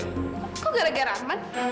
kok gara gara arman